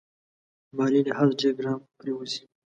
مالي لحاظ ډېر ګران پرېوزي.